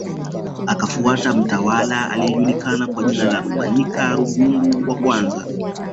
Akafuata mtawala aliyejulikana kwa jina la Rumanyika Rugundu wa kwamza